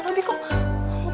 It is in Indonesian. kok hati aku gemeter kayak gini